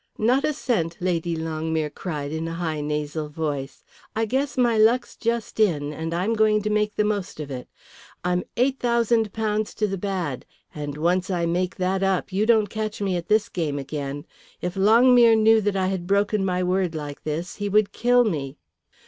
"Not a cent," Lady Longmere cried in a high nasal voice. "I guess my luck's just in, and I'm going to make the most of it. I'm £8,000 to the bad, and once I make that up you don't catch me at this game again. If Longmere knew that I had broken my word like this he would kill me."